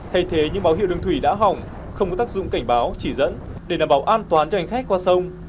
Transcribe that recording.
thay thế những báo hiệu đường thủy đã hỏng không có tác dụng cảnh báo chỉ dẫn để đảm bảo an toàn cho hành khách qua sông